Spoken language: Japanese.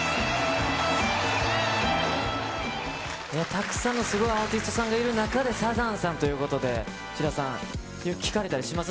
たくさんのすごいアーティストさんがいる中で、サザンさんということで、志田さん、よく聴かれたりします？